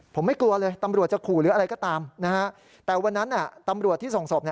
ผมไม่กลัวเลยตำรวจจะขู่หรืออะไรก็ตามนะฮะแต่วันนั้นตำรวจที่ส่งศพ